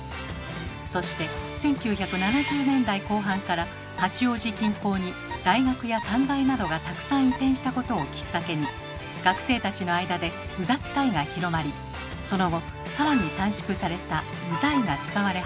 そして１９７０年代後半から八王子近郊に大学や短大などがたくさん移転したことをきっかけに学生たちの間で「うざったい」が広まりその後さらに短縮された「うざい」が使われ始めます。